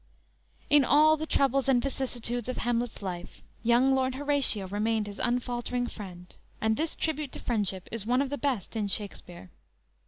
"_ In all the troubles and vicissitudes of Hamlet's life, young Lord Horatio remained his unfaltering friend; and this tribute to friendship is one of the best in Shakspere.